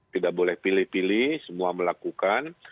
tidak boleh pilih pilih semua melakukan